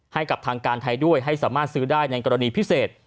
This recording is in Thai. ให้กับทางการไทยด้วยให้สามารถซื้อได้ในกรณีพิเศษ